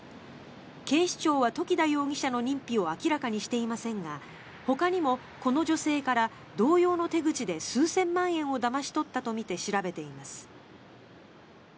警視庁は時田容疑者の認否を明らかにしていませんがほかにもこの女性から同様の手口で数千万円をだまし取ったとみて調べています。